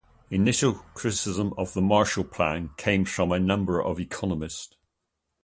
Initial criticism of the Marshall Plan came from a number of economists.